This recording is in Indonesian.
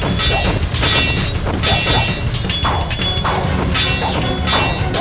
jika tidak sedikit sakit akan menjadi udara